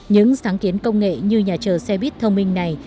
những sáng kiến công nghệ như nhà chờ xe buýt thông minh này